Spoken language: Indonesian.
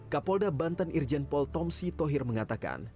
kapolda banten irjenpol tom sitohir mengatakan